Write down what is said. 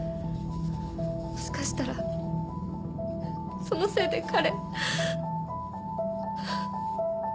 もしかしたらそのせいで彼。